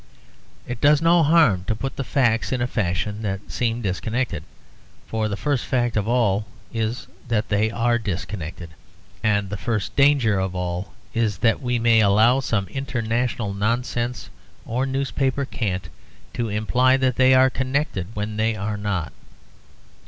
It does no harm to put the facts in a fashion that seems disconnected; for the first fact of all is that they are disconnected. And the first danger of all is that we may allow some international nonsense or newspaper cant to imply that they are connected when they are not.